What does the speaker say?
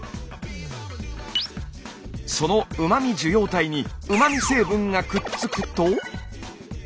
そのうま味受容体にうま味成分がくっつくと。